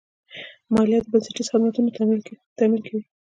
مالیه د بنسټیزو خدماتو تمویل کوي.